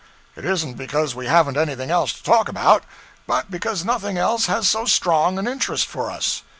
It isn't because we haven't anything else to talk about, but because nothing else has so strong an interest for us.